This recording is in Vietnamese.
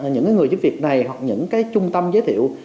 những người giúp việc này hoặc những cái trung tâm giới thiệu